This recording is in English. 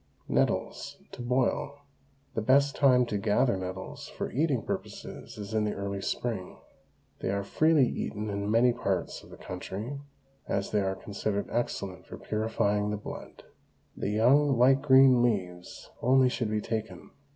NETTLES, TO BOIL. The best time to gather nettles for eating purposes is in the early spring. They are freely eaten in many parts of the country, as they are considered excellent for purifying the blood. The young light green leaves only should be taken.